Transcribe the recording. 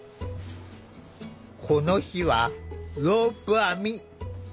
この日はロープ編み。